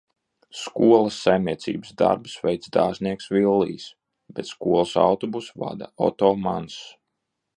Skolas saimniecības darbus veic Dārznieks Villijs, bet skolas autobusu vada Oto Mans.